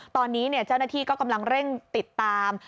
ตอนนี้เจ้าหน้าที่ก็กำลังเร่งติดตาม